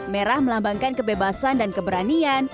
merah melambangkan kebebasan dan keberanian